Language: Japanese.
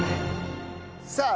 さあ